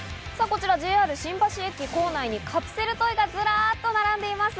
こちら、ＪＲ新橋駅構内にカプセルトイがずらっと並んでいます。